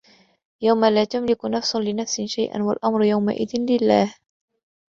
يَوْمَ لَا تَمْلِكُ نَفْسٌ لِنَفْسٍ شَيْئًا وَالْأَمْرُ يَوْمَئِذٍ لِلَّهِ